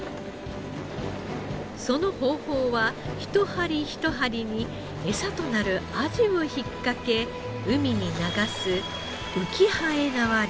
その方法は一針一針にエサとなるアジを引っ掛け海に流す浮き延縄漁。